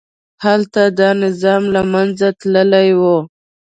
هلته دا نظام له منځه تللي وو.